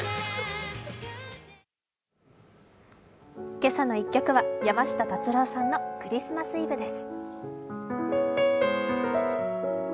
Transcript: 「けさの１曲」は山下達郎さんの「クリスマス・イブ」です。